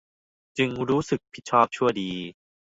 จึงรู้สึกผิดชอบชั่วดี